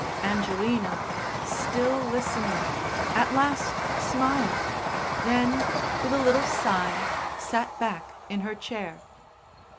Angelina, still listening, at last smiled; then, with a little sigh, sat back in her chair.